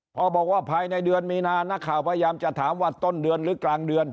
พอบอกว่าภายในเดือนมีนานักข่าวพยายามจะถามว่าต้นเดือนหรือกลางเดือน